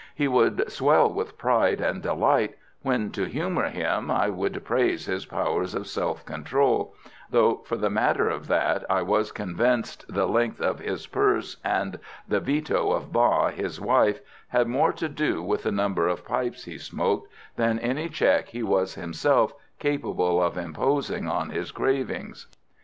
He would swell with pride and delight when, to humour him, I would praise his powers of self control, though, for the matter of that, I was convinced the length of his purse and the veto of Ba, his wife, had more to do with the number of pipes he smoked, than any check he was himself capable of imposing on his cravings.